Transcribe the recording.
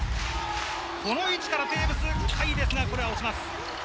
この位置からテーブス海ですが、これは落ちます。